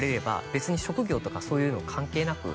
「別に職業とかそういうの関係なく」